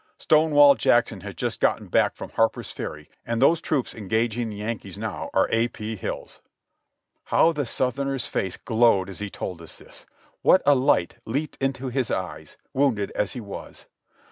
"Stonewall Jackson has just gotten back from Harper's Ferry and those troops engaging the Yankees now are A. P. Hills." How the Southerner's face glowed as he told us this; what a light leaped into his eyes, wounded as he was.